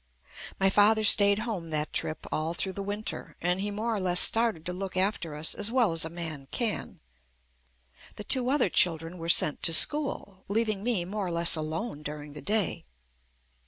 My father stayed home that trip all througK the winter, and he more or less started to look after us as well as a man can. The two other children were sent to school, leaving me more or less alone during the day.